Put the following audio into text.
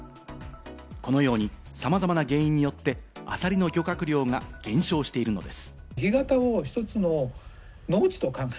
このように、様々な原因によってアサリの漁獲量が減少しているのです。